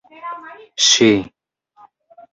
ŝi